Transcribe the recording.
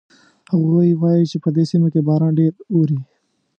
هغوی وایي چې په دې سیمه کې باران ډېر اوري